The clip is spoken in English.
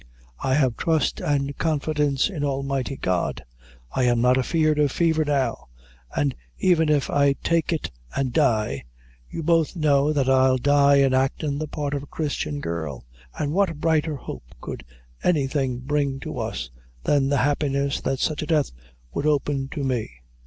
I have trust an' confidence in the Almighty God. I am not afeard of fever now; and even if I take it an' die, you both know that I'll die in actin' the part of a Christian girl; an' what brighter hope could anything bring to us than the happiness that such a death would open to me?